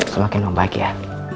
semakin membaiki ya